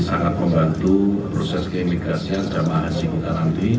sangat membantu proses keimigrasian jamaah haji kita nanti